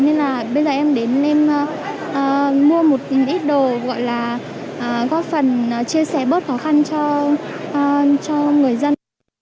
nên là bây giờ em đến em mua một ít đồ gọi là góp phần chia sẻ bớt khó khăn cho người dân